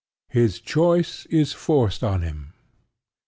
His choice is forced on him.